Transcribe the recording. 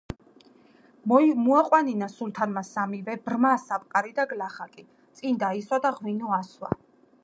მოაყვანინა სულთანმა სამივე: ბრმა, საპყარი და გლახაკი, წინ დაისვა და ღვინო ასვა.